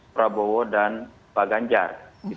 prabowo dan baganjar